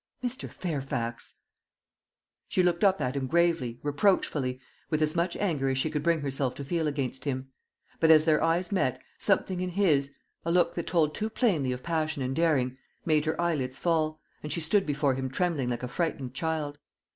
"Mr. Fairfax!" She looked up at him gravely, reproachfully, with as much anger as she could bring herself to feel against him; but as their eyes met, something in his a look that told too plainly of passion and daring made her eyelids fall, and she stood before him trembling like a frightened child.